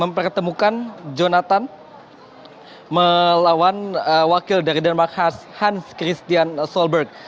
mempertemukan jonathan melawan wakil dari denmark hans christian solberg